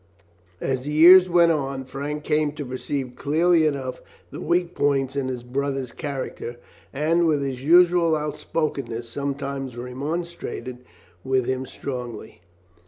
As the years went on, Frank came to perceive clearly enough the weak points in his brother's character, and with his usual outspokenness sometimes remonstrated with him strongly.